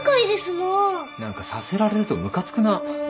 何か察せられるとムカつくな。